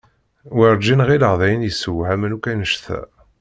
Werǧin ɣilleɣ d ayen yesseḥmawen akk annect-a.